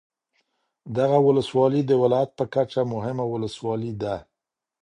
دغه ولسوالي د ولایت په کچه مهمه ولسوالي ده